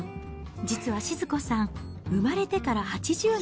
実は志津子さん、生まれてから８０年、